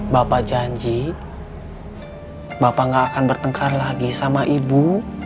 bapak janji bapak gak akan bertengkar lagi sama ibu